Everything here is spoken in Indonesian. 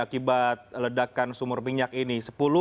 akibat ledakan sumur minyak ini